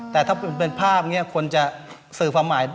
แต่ถ้าเป็นภาพคนจะศึษย์ภาคหมาย